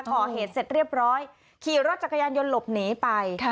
ก่อเหตุเสร็จเรียบร้อยขี่รถจักรยานยนต์หลบหนีไป